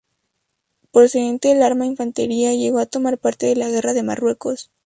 Procedente del arma de infantería, llegó a tomar parte en la Guerra de Marruecos.